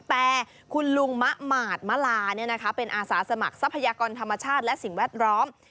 แต่คุณลุงมะหมาดมะลาเป็นอาสาสมัครทรัพยากรธรรมชาติและสิ่งแวดล้อม